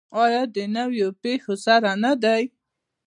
آیا د نویو پیښو سره نه دی؟